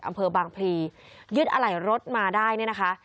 อำเภอบางพลียึดอะไหล่รถมาได้เนี่ยนะคะ